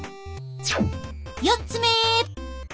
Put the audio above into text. ４つ目！